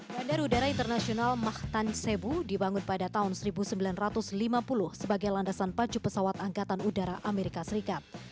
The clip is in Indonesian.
bandar udara internasional mahtan sebu dibangun pada tahun seribu sembilan ratus lima puluh sebagai landasan pacu pesawat angkatan udara amerika serikat